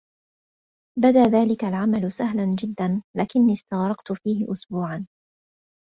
بدى ذلك العمل سهلا جدا ، لكني استغرقت فيه أسبوعا.